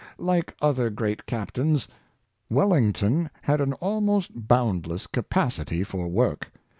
Like other great captains, Wellington had an almost boundless capacity for work.